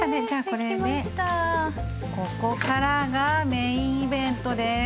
ここからがメインイベントです。